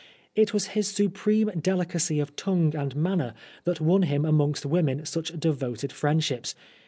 It was his supreme delicacy of tongue and manner that won him amongst women such devoted friendships.